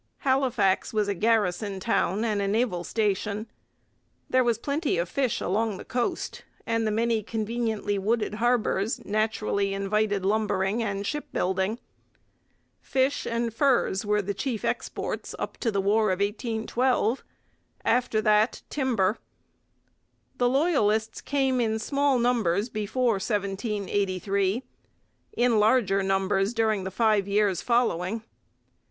Halifax was a garrison town and naval station. There was plenty of fish along the coast; and the many conveniently wooded harbours naturally invited lumbering and shipbuilding. Fish and furs were the chief exports up to the War of 1812; after that, timber. The Loyalists came in small numbers before 1783; in larger numbers during the five years following.